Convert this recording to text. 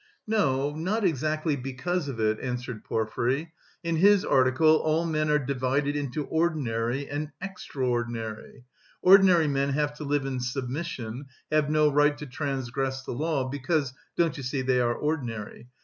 "No, not exactly because of it," answered Porfiry. "In his article all men are divided into 'ordinary' and 'extraordinary.' Ordinary men have to live in submission, have no right to transgress the law, because, don't you see, they are ordinary.